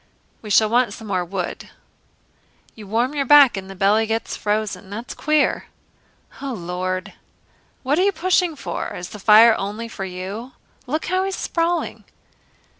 "We shall want some more wood." "You warm your back and your belly gets frozen. That's queer." "O Lord!" "What are you pushing for? Is the fire only for you? Look how he's sprawling!"